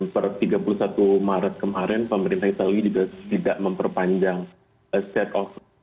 pada tiga puluh satu maret kemarin pemerintah italia juga tidak memperpanjang set of